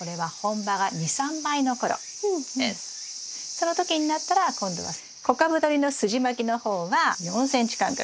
その時になったら今度は小株どりのすじまきの方は４ｃｍ間隔に。